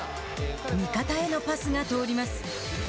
味方へのパスが通ります。